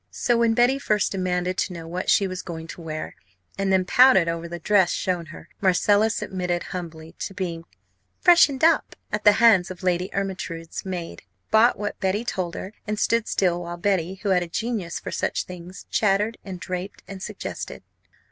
So, when Betty first demanded to know what she was going to wear, and then pouted over the dress shown her, Marcella submitted humbly to being "freshened up" at the hands of Lady Ermyntrude's maid, bought what Betty told her, and stood still while Betty, who had a genius for such things, chattered, and draped, and suggested.